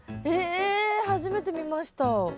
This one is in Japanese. えっ初めて見ました。